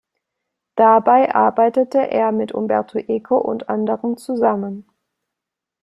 Dabei arbeitete er mit Umberto Eco und anderen zusammen.